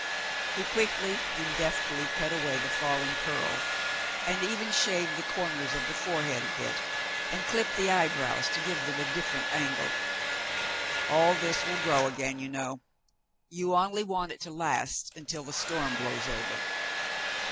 He quickly and deftly cut away the falling curl, and even shaved the corners of the forehead a bit, and clipped the eyebrows to give them a different angle. "All this will grow again, you know. You only want it to last until the storm blows over."